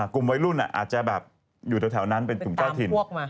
กลุ่มวัยรุ่นอาจจะแบบอยู่แถวนั้นเป็นกลุ่มเจ้าถิ่น